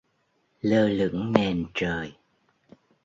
Lơ lửng nền trời